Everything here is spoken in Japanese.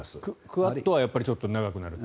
クアッドはちょっと長くなると。